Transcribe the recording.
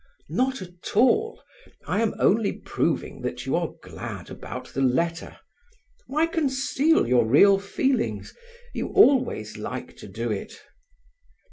"Not at all. I am only proving that you are glad about the letter. Why conceal your real feelings? You always like to do it."